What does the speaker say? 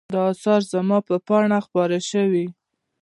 دا آثار زما پر پاڼه خپاره شوي.